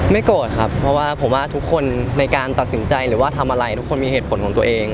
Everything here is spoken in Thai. โกรธครับเพราะว่าผมว่าทุกคนในการตัดสินใจหรือว่าทำอะไรทุกคนมีเหตุผลของตัวเอง